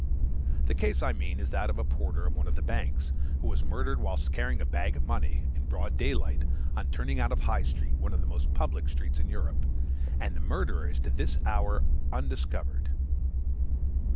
The case I mean is that of a porter to one of the banks, who was murdered whilst carrying a bag of money, in broad daylight, on turning out of the High Street, one of the most public streets in Europe, and the murderer is to this hour undiscovered.